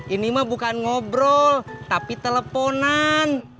ini mah bukan ngobrol tapi teleponan